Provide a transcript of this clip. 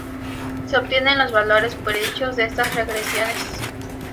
Se obtienen los valores predichos de estas regresiones.